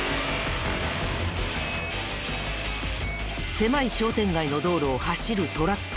狭い商店街の道路を走るトラック。